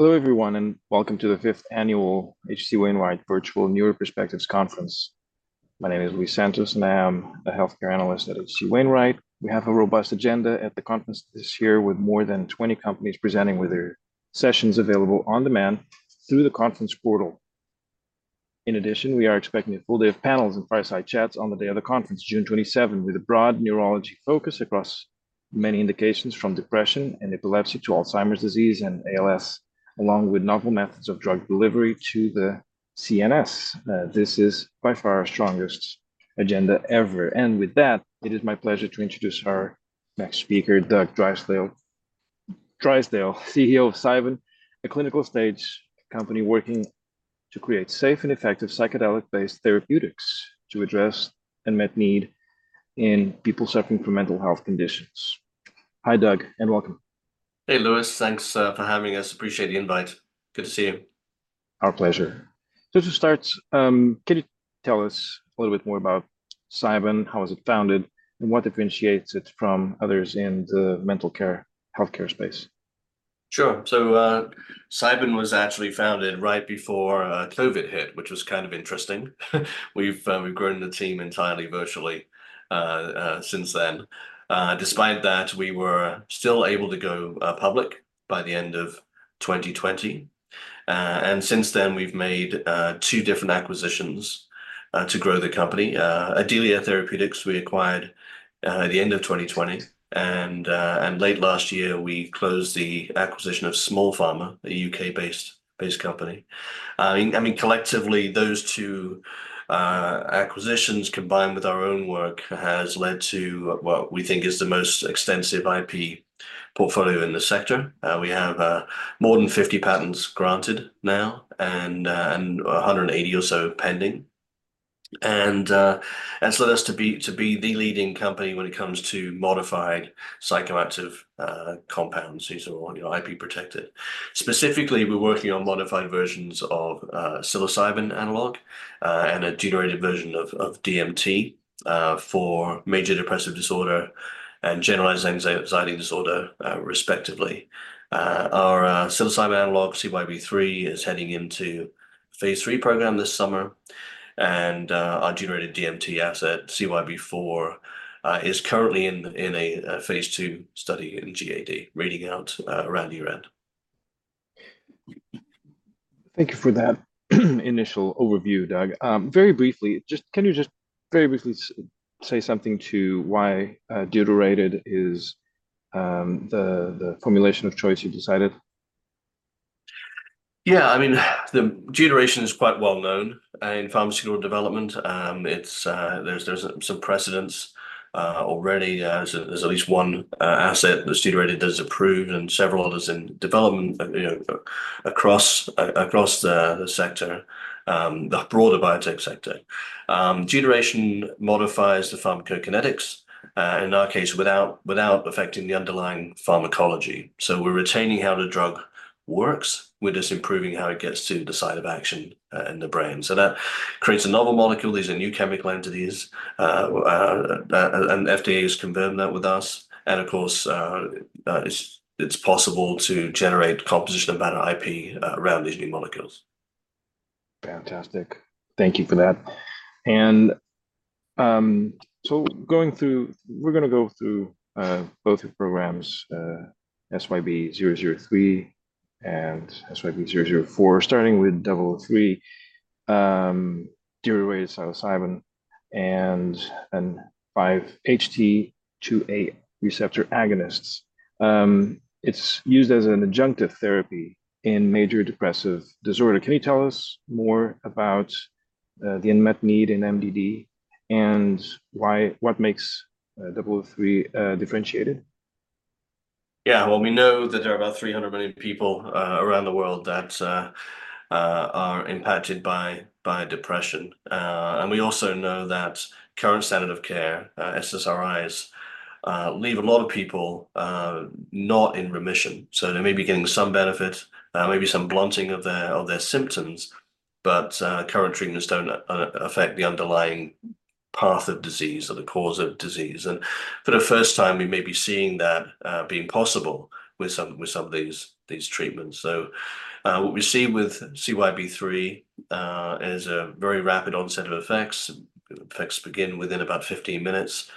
Hello, everyone, and welcome to the fifth annual H.C. Wainwright Virtual Neuro Perspectives Conference. My name is Luis Santos, and I am a healthcare analyst at H.C. Wainwright. We have a robust agenda at the conference this year, with more than 20 companies presenting, with their sessions available on demand through the conference portal. In addition, we are expecting a full day of panels and fireside chats on the day of the conference, June 27th, with a broad neurology focus across many indications, from depression and epilepsy to Alzheimer's disease and ALS, along with novel methods of drug delivery to the CNS. This is by far our strongest agenda ever. And with that, it is my pleasure to introduce our next speaker, Doug Drysdale, CEO of Cybin, a clinical-stage company working to create safe and effective psychedelic-based therapeutics to address unmet need in people suffering from mental health conditions. Hi, Doug, and welcome. Hey, Luis. Thanks for having us. Appreciate the invite. Good to see you. Our pleasure. So to start, can you tell us a little bit more about Cybin, how was it founded, and what differentiates it from others in the mental care healthcare space? Sure. So, Cybin was actually founded right before COVID hit, which was kind of interesting. We've grown the team entirely virtually since then. Despite that, we were still able to go public by the end of 2020. And since then, we've made two different acquisitions to grow the company. Adelia Therapeutics, we acquired at the end of 2020, and late last year, we closed the acquisition of Small Pharma, a U.K.-based company. I mean, collectively, those two acquisitions, combined with our own work, has led to what we think is the most extensive IP portfolio in the sector. We have more than 50 patents granted now and 180 patents or so pending. has led us to be the leading company when it comes to modified psychoactive compounds, these are all, you know, IP protected. Specifically, we're working on modified versions of psilocybin analog and a deuterated version of DMT for major depressive disorder and generalized anxiety disorder, respectively. Our psilocybin analog, CYB003, is heading into phase III program this summer, and our deuterated DMT asset, CYB004, is currently in a phase II study in GAD, reading out around year-end. Thank you for that initial overview, Doug. Very briefly, just, Can you just very briefly say something to why deuterated is the formulation of choice you've decided? Yeah, I mean, the deuteration is quite well known in pharmaceutical development. It's... There's some precedent already. There's at least one asset that's deuterated that's approved and several others in development, you know, across the sector, the broader biotech sector. Deuteration modifies the pharmacokinetics in our case, without affecting the underlying pharmacology. So we're retaining how the drug works, we're just improving how it gets to the site of action in the brain. So that creates a novel molecule. These are new chemical entities, and FDA has confirmed that with us, and of course, it's possible to generate composition about an IP around these new molecules. Fantastic. Thank you for that. And, so going through—we're gonna go through both your programs, CYB003 and CYB004. Starting with CYB003, deuterated psilocybin and 5-HT2A receptor agonists. It's used as an adjunctive therapy in major depressive disorder. Can you tell us more about the unmet need in MDD and why—what makes CYB003 differentiated? Yeah. Well, we know that there are about 300 million people around the world that are impacted by depression. And we also know that current standard of care, SSRIs, leave a lot of people not in remission. So they may be getting some benefit, maybe some blunting of their symptoms, but current treatments don't affect the underlying path of disease or the cause of disease. And for the first time, we may be seeing that being possible with some of these treatments. So, what we see with CYB003 is a very rapid onset of effects. Effects begin within about 15 minutes.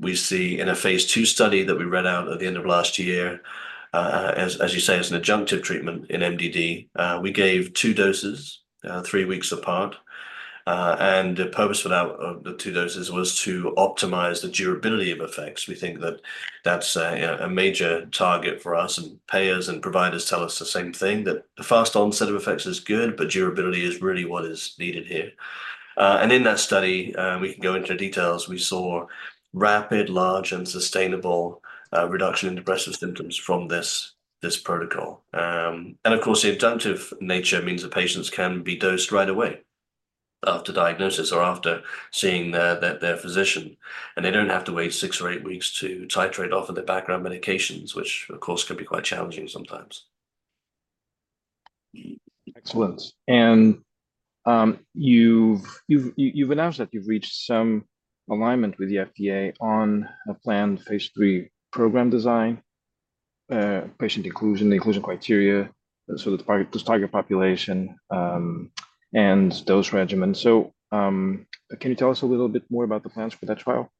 We see in a phase II study that we read out at the end of last year, as you say, as an adjunctive treatment in MDD, we gave two doses, three weeks apart. And the purpose for that, the two doses, was to optimize the durability of effects. We think that that's, you know, a major target for us, and payers and providers tell us the same thing, that the fast onset of effects is good, but durability is really what is needed here. And in that study, we can go into details. We saw rapid, large, and sustainable, reduction in depressive symptoms from this protocol. Of course, the adjunctive nature means the patients can be dosed right away after diagnosis or after seeing their physician, and they don't have to wait six or eight weeks to titrate off of their background medications, which of course can be quite challenging sometimes. Excellent. And you've announced that you've reached some alignment with the FDA on a planned phase III program design, patient inclusion, the inclusion criteria, so the target, this target population, and dose regimen. So, can you tell us a little bit more about the plans for that trial?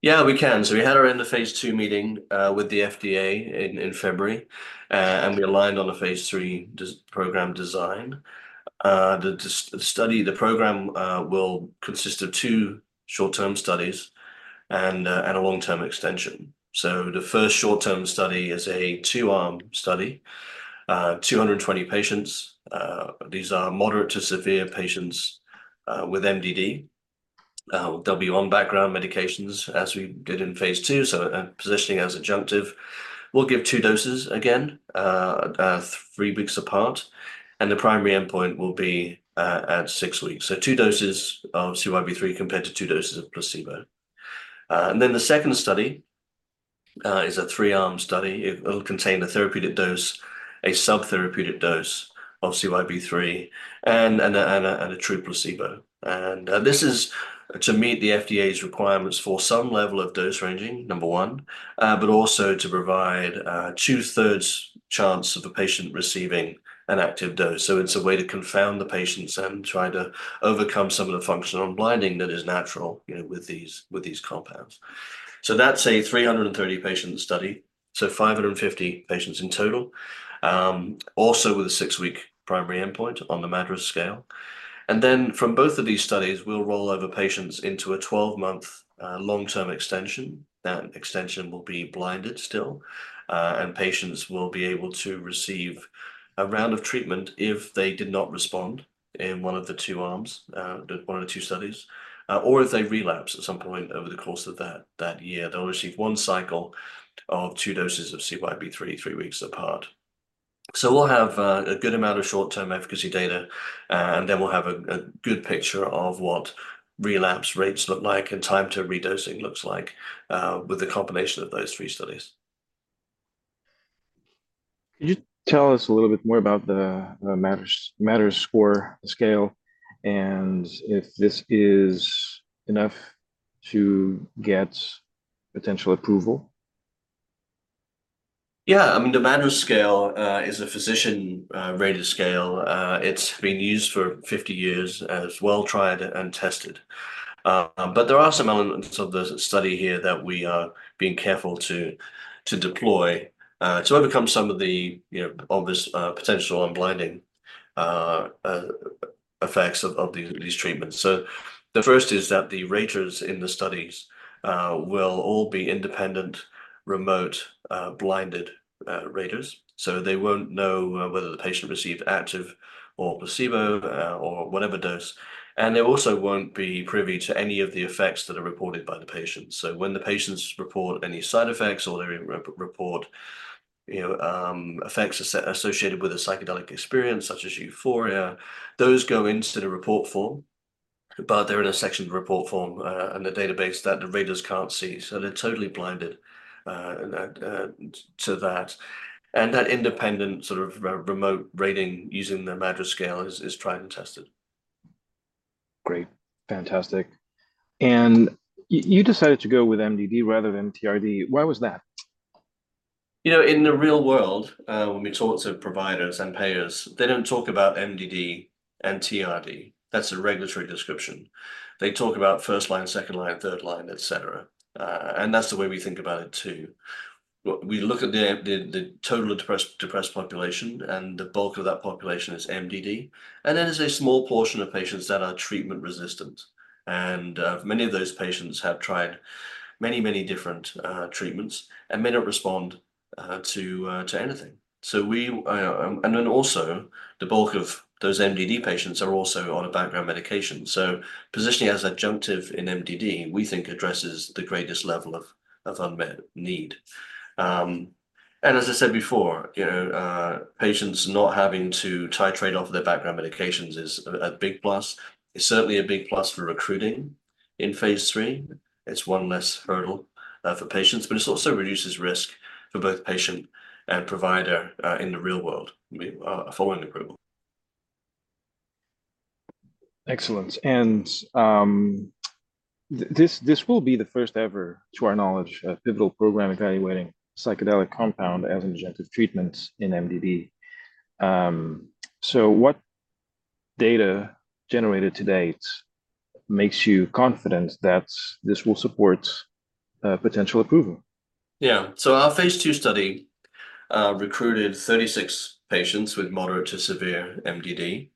Yeah, we can. So we had our end of phase II meeting with the FDA in February, and we aligned on a phase III program design. The study, the program, will consist of two short-term studies and a long-term extension. So the first short-term study is a two-arm study, 220 patients. These are moderate to severe patients with MDD. They'll be on background medications as we did in phase II, so positioning as adjunctive. We'll give two doses again, three weeks apart, and the primary endpoint will be at six weeks. So two doses of CYB003 compared to two doses of placebo. And then the second study is a three-arm study. It will contain a therapeutic dose, a sub-therapeutic dose of CYB003, and a true placebo. This is to meet the FDA's requirements for some level of dose ranging, number one, but also to provide two-thirds chance of a patient receiving an active dose. So it's a way to confound the patients and try to overcome some of the functional unblinding that is natural, you know, with these compounds. So that's a 330-patient study, so 550 patients in total. Also with a 6-week primary endpoint on the MADRS scale. And then from both of these studies, we'll roll over patients into a 12-month long-term extension. That extension will be blinded still, and patients will be able to receive a round of treatment if they did not respond in one of the two arms, one of the two studies, or if they relapse at some point over the course of that, that year. They'll receive one cycle of two doses of CYB003, three weeks apart. So we'll have, a good amount of short-term efficacy data, and then we'll have a, a good picture of what relapse rates look like and time to redosing looks like, with the combination of those three studies. Can you tell us a little bit more about the MADRS score scale, and if this is enough to get potential approval? Yeah. I mean, the MADRS scale is a physician rated scale. It's been used for 50 years and is well tried and tested. But there are some elements of the study here that we are being careful to deploy to overcome some of the, you know, obvious potential unblinding effects of these treatments. So the first is that the raters in the studies will all be independent, remote blinded raters. So they won't know whether the patient received active or placebo or whatever dose, and they also won't be privy to any of the effects that are reported by the patient. So when the patients report any side effects or they report, you know, effects associated with a psychedelic experience, such as euphoria, those go into the report form, but they're in a sectioned report form, and a database that the raters can't see. So they're totally blinded, and that to that, and that independent sort of remote rating using the MADRS scale is tried and tested. Great. Fantastic. And you decided to go with MDD rather than TRD. Why was that? You know, in the real world, when we talk to providers and payers, they don't talk about MDD and TRD. That's a regulatory description. They talk about first line, second line, third line, et cetera. And that's the way we think about it too. We look at the total depressed population, and the bulk of that population is MDD, and then there's a small portion of patients that are treatment resistant. And many of those patients have tried many, many different treatments and may not respond to anything. So the bulk of those MDD patients are also on a background medication. So positioning as adjunctive in MDD, we think addresses the greatest level of unmet need. As I said before, you know, patients not having to titrate off of their background medications is a big plus. It's certainly a big plus for recruiting in phase III. It's one less hurdle for patients, but it also reduces risk for both patient and provider in the real world following approval. Excellent. And, this, this will be the first ever, to our knowledge, a pivotal program evaluating psychedelic compound as adjunctive treatments in MDD. So what data generated to date makes you confident that this will support, potential approval? Yeah. So our phase II study recruited 36 patients with moderate to severe MDD.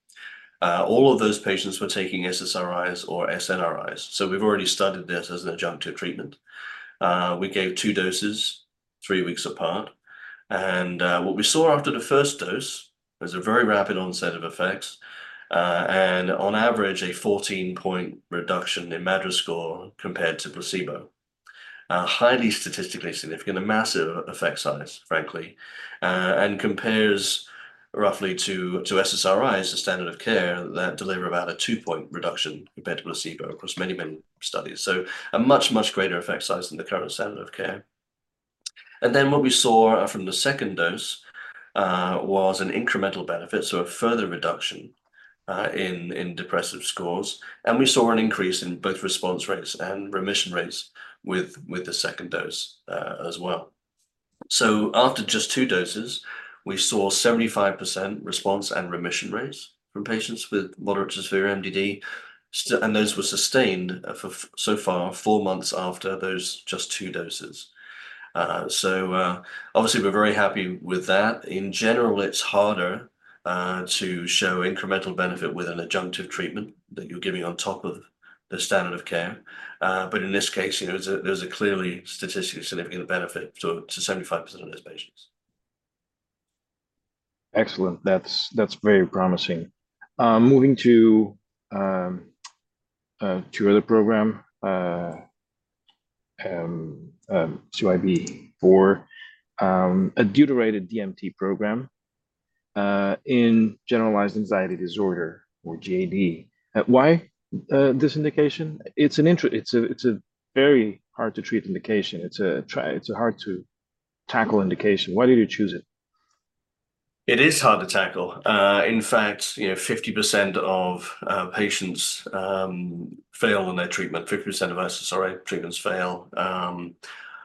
All of those patients were taking SSRIs or SNRIs, so we've already studied this as an adjunctive treatment. We gave two doses, three weeks apart, and what we saw after the first dose was a very rapid onset of effects, and on average, a 14-point reduction in MADRS score compared to placebo. Highly statistically significant, a massive effect size, frankly, and compares roughly to SSRIs, the standard of care, that deliver about a two-point reduction compared to placebo across many, many studies. So a much, much greater effect size than the current standard of care. And then what we saw from the second dose was an incremental benefit, so a further reduction in depressive scores. We saw an increase in both response rates and remission rates with the second dose, as well. So after just two doses, we saw 75% response and remission rates from patients with moderate to severe MDD. And those were sustained, so far, four months after those just two doses. So, obviously we're very happy with that. In general, it's harder to show incremental benefit with an adjunctive treatment that you're giving on top of the standard of care. But in this case, you know, there's a clearly statistically significant benefit to 75% of those patients. Excellent. That's, that's very promising. Moving to other program, CYB004, a deuterated DMT program in generalized anxiety disorder or GAD. Why this indication? It's a very hard to treat indication. It's a hard to tackle indication. Why did you choose it? It is hard to tackle. In fact, you know, 50% of patients fail in their treatment. 50% of SSRI treatments fail.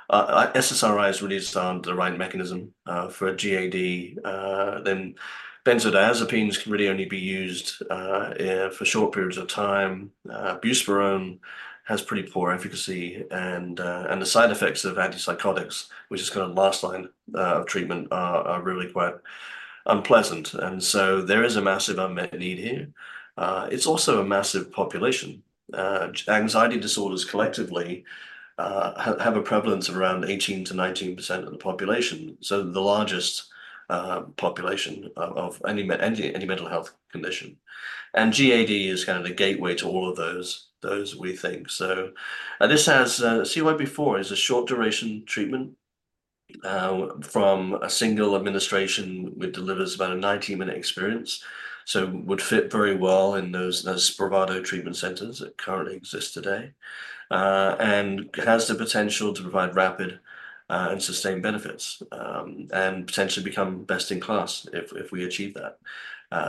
SSRIs really just aren't the right mechanism for GAD. Then benzodiazepines can really only be used for short periods of time. Buspirone has pretty poor efficacy and the side effects of antipsychotics, which is kind of last line of treatment, are really quite unpleasant. And so there is a massive unmet need here. It's also a massive population. Anxiety disorders collectively have a prevalence of around 18%-19% of the population, so the largest population of any mental health condition. And GAD is kind of the gateway to all of those we think. CYB004 is a short duration treatment from a single administration, which delivers about a 90-minute experience, so would fit very well in those Spravato treatment centers that currently exist today. And it has the potential to provide rapid and sustained benefits, and potentially become best in class if we achieve that.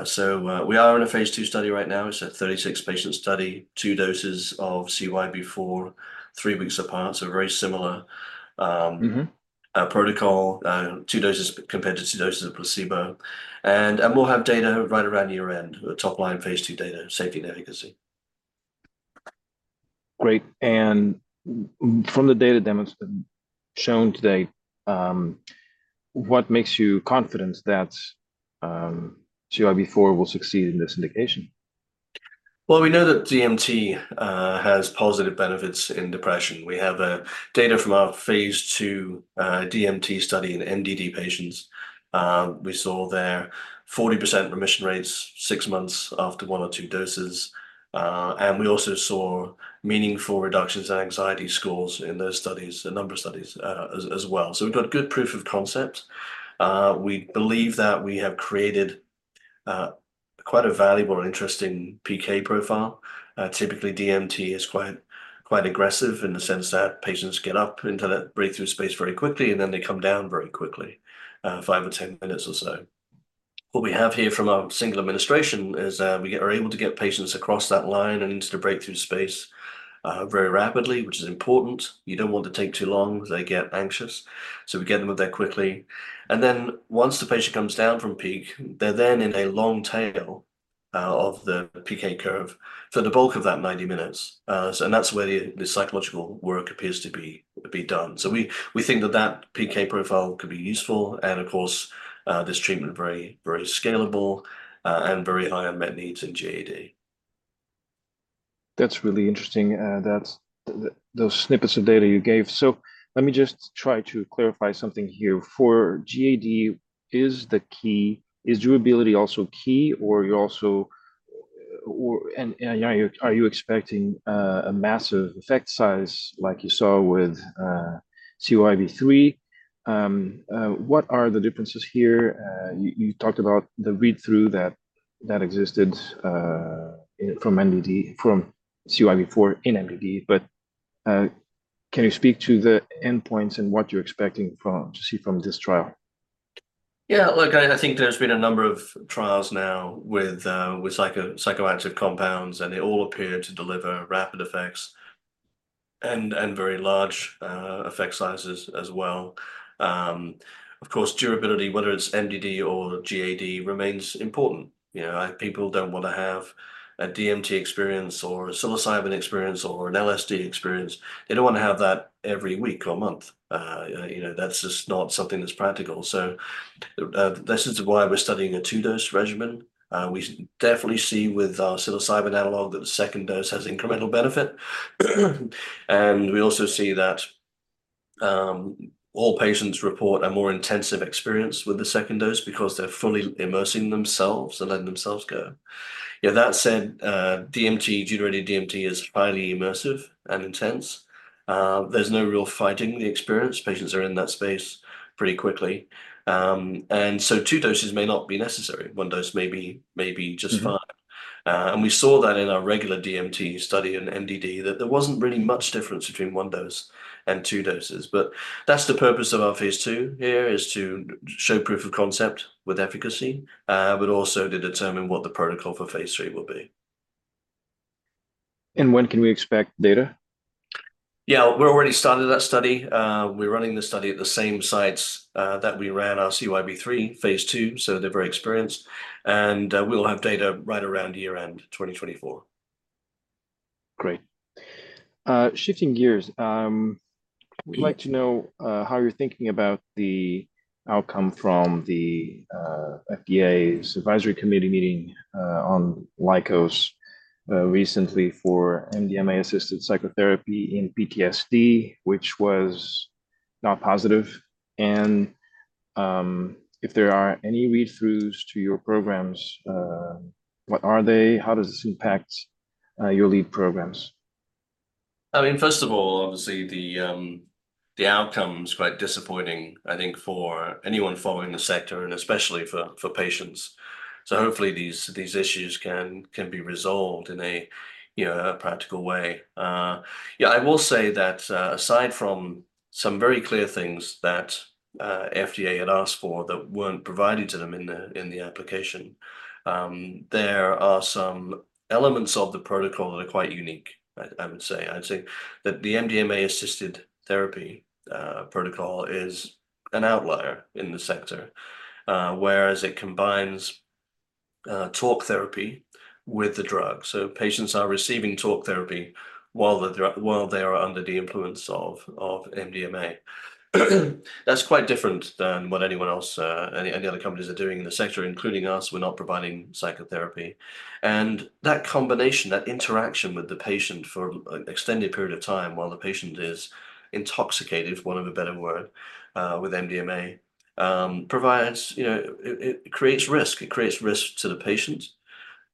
So, we are in a phase II study right now. It's a 36-patient study, two doses of CYB004, three weeks apart, so very similar, protocol, two doses compared to two doses of placebo. And we'll have data right around year-end, the top line phase II data, safety and efficacy. Great. And from the data demonstrated, shown to date, what makes you confident that CYB004 will succeed in this indication? Well, we know that DMT has positive benefits in depression. We have data from our phase II DMT study in MDD patients. We saw there 40% remission rates six months after one or two doses. And we also saw meaningful reductions in anxiety scores in those studies, a number of studies, as well. So we've got good proof of concept. We believe that we have created quite a valuable and interesting PK profile. Typically, DMT is quite aggressive in the sense that patients get up into that breakthrough space very quickly, and then they come down very quickly, five or 10 minutes or so. What we have here from our single administration is we get... are able to get patients across that line and into the breakthrough space very rapidly, which is important. You don't want to take too long, they get anxious. So we get them there quickly, and then once the patient comes down from peak, they're then in a long tail of the PK curve for the bulk of that 90 minutes. So and that's where the, the psychological work appears to be, to be done. So we, we think that that PK profile could be useful, and of course, this treatment very, very scalable, and very high unmet needs in GAD. That's really interesting, those snippets of data you gave. So let me just try to clarify something here. For GAD, is durability also key, or... And are you expecting a massive effect size like you saw with CYB003? What are the differences here? You talked about the read-through that existed from MDD, from CYB004 in MDD, but can you speak to the endpoints and what you're expecting to see from this trial? Yeah, look, I think there's been a number of trials now with psychoactive compounds, and they all appear to deliver rapid effects and very large effect sizes as well. Of course, durability, whether it's MDD or GAD, remains important. You know, people don't want to have a DMT experience or a psilocybin experience or an LSD experience. They don't want to have that every week or month. You know, that's just not something that's practical. So, this is why we're studying a two-dose regimen. We definitely see with our psilocybin analog that the second dose has incremental benefit. And we also see that all patients report a more intensive experience with the second dose because they're fully immersing themselves and letting themselves go. Yeah, that said, DMT, deuterated DMT, is highly immersive and intense. There's no real fighting the experience. Patients are in that space pretty quickly. And so two doses may not be necessary. One dose may be just fine. We saw that in our regular DMT study in MDD, that there wasn't really much difference between one dose and two doses. That's the purpose of our phase II here, is to show proof of concept with efficacy, but also to determine what the protocol for phase III will be. And when can we expect data? Yeah, we're already started that study. We're running the study at the same sites that we ran our CYB003 phase II, so they're very experienced, and we'll have data right around year-end 2024. Great. Shifting gears, we'd like to know how you're thinking about the outcome from the FDA's Advisory Committee meeting on Lykos recently for MDMA-assisted psychotherapy in PTSD, which was not positive. If there are any read-throughs to your programs, what are they? How does this impact your lead programs? I mean, first of all, obviously, the outcome's quite disappointing, I think, for anyone following the sector and especially for patients. So hopefully these issues can be resolved in a, you know, a practical way. Yeah, I will say that, aside from some very clear things that FDA had asked for that weren't provided to them in the application, there are some elements of the protocol that are quite unique, I would say. I'd say that the MDMA-assisted therapy protocol is an outlier in the sector. Whereas it combines talk therapy with the drug, so patients are receiving talk therapy while they are under the influence of MDMA. That's quite different than what anyone else, any other companies are doing in the sector, including us. We're not providing psychotherapy. That combination, that interaction with the patient for an extended period of time while the patient is intoxicated, for want of a better word, with MDMA, provides, you know... It creates risk. It creates risk to the patient.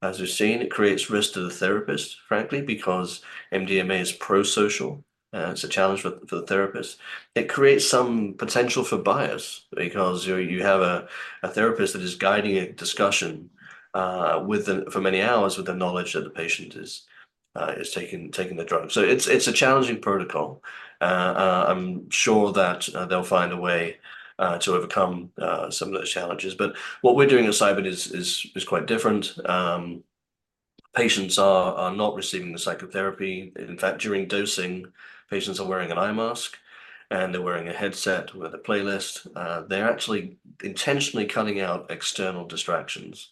As we've seen, it creates risk to the therapist, frankly, because MDMA is pro-social, it's a challenge for the therapist. It creates some potential for bias because, you know, you have a therapist that is guiding a discussion with the for many hours, with the knowledge that the patient is taking the drug. So it's a challenging protocol. I'm sure that they'll find a way to overcome some of those challenges. But what we're doing at Cybin is quite different. Patients are not receiving the psychotherapy. In fact, during dosing, patients are wearing an eye mask, and they're wearing a headset with a playlist. They're actually intentionally cutting out external distractions,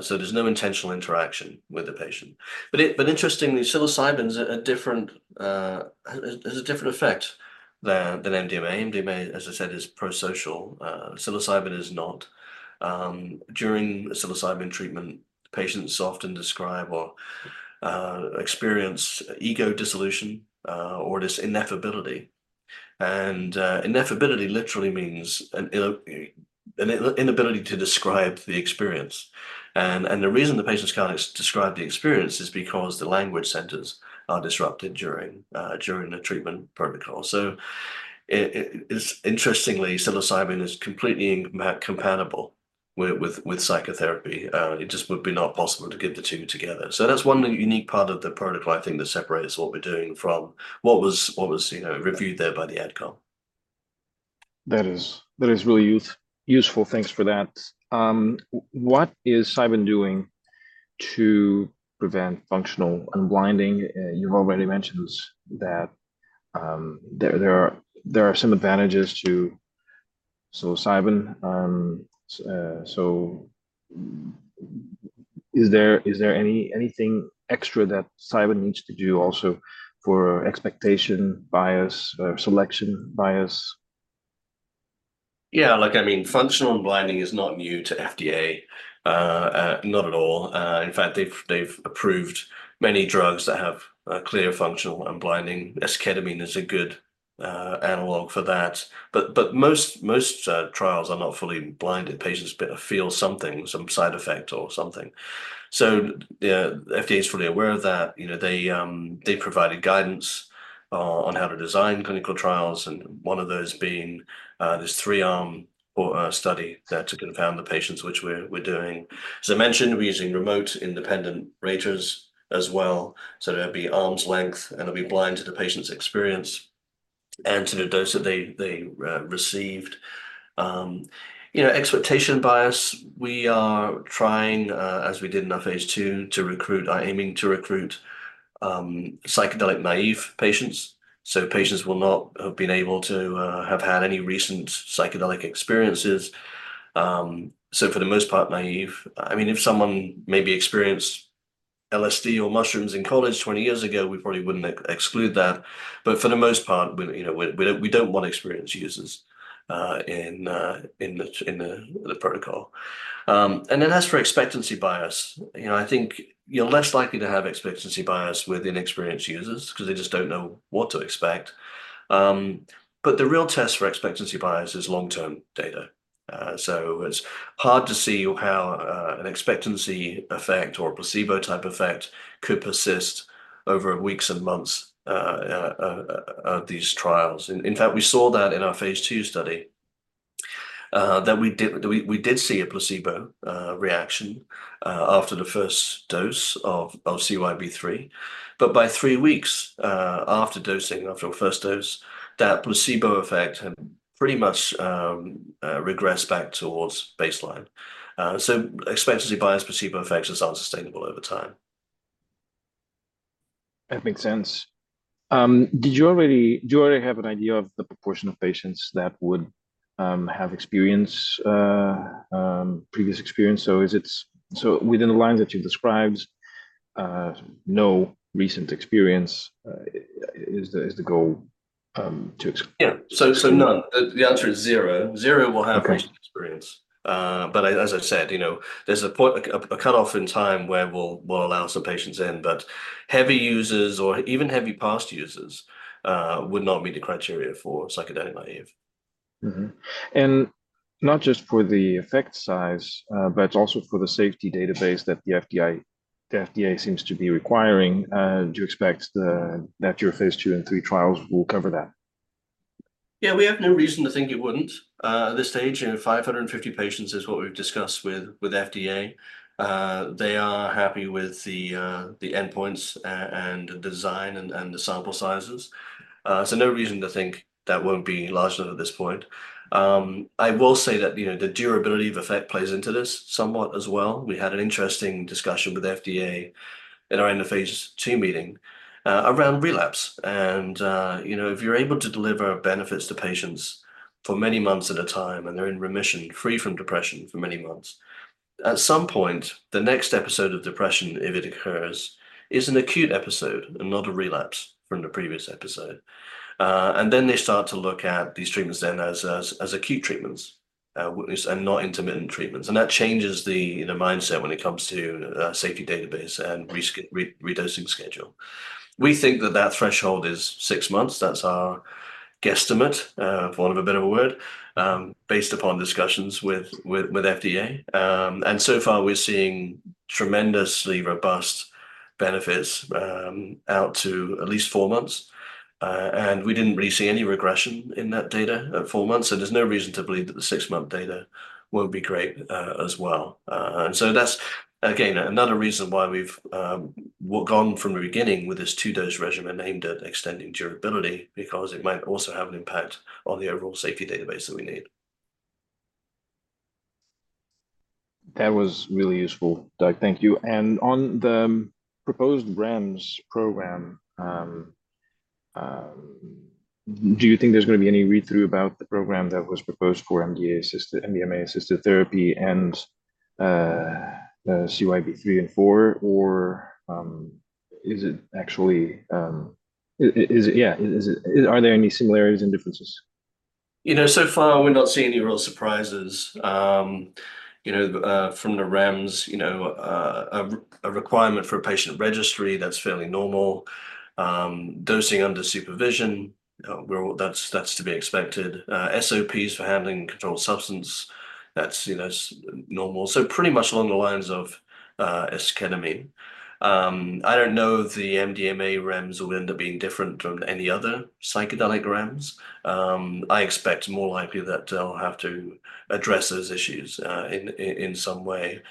so there's no intentional interaction with the patient. But interestingly, psilocybin's a different has a different effect than MDMA. MDMA, as I said, is pro-social, psilocybin is not. During psilocybin treatment, patients often describe or experience ego dissolution or this ineffability. And ineffability literally means an inability to describe the experience. And the reason the patients can't describe the experience is because the language centers are disrupted during the treatment protocol. So it's interestingly, psilocybin is completely incompatible with psychotherapy. It just would be not possible to get the two together. That's one unique part of the protocol, I think, that separates what we're doing from what was, you know, reviewed there by the AdCom. That is really useful. Thanks for that. What is Cybin doing to prevent functional unblinding? You've already mentioned that, there are some advantages to psilocybin. So, is there anything extra that Cybin needs to do also for expectation bias or selection bias? Yeah, look, I mean, functional unblinding is not new to FDA, not at all. In fact, they've approved many drugs that have a clear functional unblinding, esketamine is a good analog for that, but most trials are not fully blinded. Patients better feel something, some side effect or something. So, yeah, FDA is fully aware of that. You know, they provided guidance on how to design clinical trials, and one of those being this three-arm study there to confound the patients, which we're doing. As I mentioned, we're using remote independent raters as well, so it'll be arm's length, and it'll be blind to the patient's experience and to the dose that they received. You know, expectation bias, we are trying, as we did in our phase II, to recruit... We are aiming to recruit psychedelic-naive patients. So patients will not have been able to have had any recent psychedelic experiences. So for the most part, naive. I mean, if someone maybe experienced LSD or mushrooms in college 20 years ago, we probably wouldn't exclude that. But for the most part, we, you know, don't want experienced users in the protocol. And then as for expectancy bias, you know, I think you're less likely to have expectancy bias with inexperienced users because they just don't know what to expect. But the real test for expectancy bias is long-term data. So it's hard to see how an expectancy effect or a placebo-type effect could persist over weeks and months of these trials. In fact, we saw that in our phase II study, that we did see a placebo reaction after the first dose of CYB003. But by three weeks after dosing, after the first dose, that placebo effect had pretty much regress back towards baseline. So expectancy bias placebo effects are unsustainable over time. That makes sense. Did you already, do you already have an idea of the proportion of patients that would have experience, previous experience? So within the lines that you've described, no recent experience, is the, is the goal to ex- Yeah. So none. The answer is zero. Okay. Zero will have recent experience. But as I've said, you know, there's a point, a cutoff in time where we'll allow some patients in, but heavy users or even heavy past users would not meet the criteria for psychedelic-naive. Mm-hmm. And not just for the effect size, but also for the safety database that the FDA, the FDA seems to be requiring, do you expect that your phase two and three trials will cover that? Yeah, we have no reason to think it wouldn't. At this stage, and 550 patients is what we've discussed with FDA. They are happy with the endpoints and the design and the sample sizes. So no reason to think that won't be large enough at this point. I will say that, you know, the durability of effect plays into this somewhat as well. We had an interesting discussion with FDA at our end of phase II meeting, around relapse. And, you know, if you're able to deliver benefits to patients for many months at a time, and they're in remission, free from depression for many months, at some point, the next episode of depression, if it occurs, is an acute episode and not a relapse from the previous episode. Then they start to look at these treatments then as acute treatments, and not intermittent treatments, and that changes the, you know, mindset when it comes to safety database and redosing schedule. We think that that threshold is six months. That's our guesstimate, for want of a better word, based upon discussions with FDA. And so far we're seeing tremendously robust benefits out to at least four months. And we didn't really see any regression in that data at four months, so there's no reason to believe that the six-month data won't be great, as well. And so that's, again, another reason why we've gone from the beginning with this two-dose regimen aimed at extending durability, because it might also have an impact on the overall safety database that we need. That was really useful, Doug. Thank you. And on the proposed REMS program, do you think there's gonna be any read-through about the program that was proposed for MDA-assisted, MDMA-assisted therapy and CYB003 and CYB004, or is it actually? Is it? Yeah, is it- are there any similarities and differences? You know, so far we're not seeing any real surprises. You know, from the REMS, you know, a requirement for a patient registry, that's fairly normal. Dosing under supervision, well, that's to be expected. SOPs for handling controlled substance, that's, you know, normal. So pretty much along the lines of esketamine. I don't know if the MDMA REMS will end up being different from any other psychedelic REMS. I expect more likely that they'll have to address those issues in some way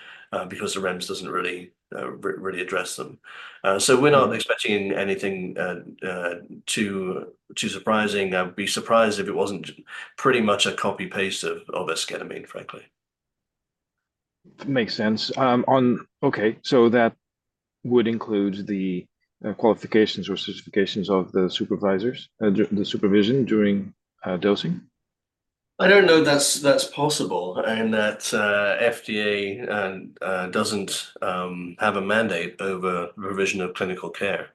because the REMS doesn't really address them. So we're not expecting anything too surprising. I would be surprised if it wasn't pretty much a copy-paste of esketamine, frankly. Makes sense. Okay, so that would include the qualifications or certifications of the supervisors during the supervision during dosing? I don't know, that's possible, and that FDA doesn't have a mandate over revision of clinical care.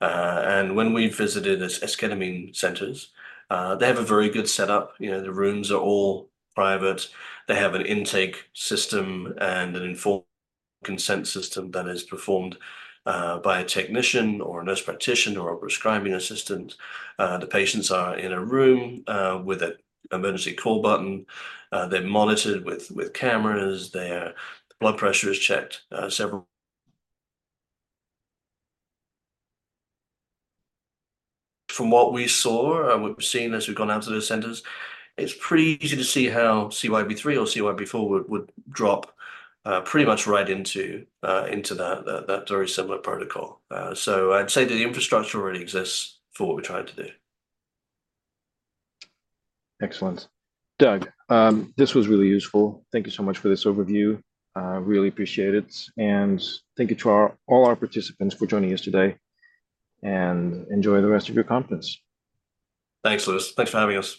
And when we visited esketamine centers, they have a very good setup. You know, the rooms are all private. They have an intake system and an informed consent system that is performed by a technician or a nurse practitioner or a prescribing assistant. The patients are in a room with an emergency call button. They're monitored with cameras, their blood pressure is checked several... From what we saw, and we've seen as we've gone out to the centers, it's pretty easy to see how CYB003 or CYB004 would drop pretty much right into that very similar protocol. So I'd say that the infrastructure already exists for what we're trying to do. Excellent. Doug, this was really useful. Thank you so much for this overview. Really appreciate it, and thank you to our, all our participants for joining us today, and enjoy the rest of your conference. Thanks, Luis. Thanks for having us.